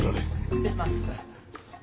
失礼します。